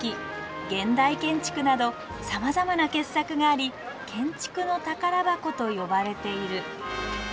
現代建築などさまざまな傑作があり建築の宝箱と呼ばれている。